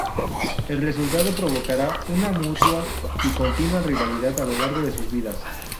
El resultado provocará una mutua y continua rivalidad a lo largo de sus vidas.